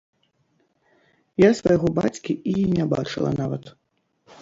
Я свайго бацькі і не бачыла нават.